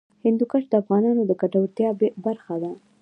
هندوکش د افغانانو د ګټورتیا برخه ده.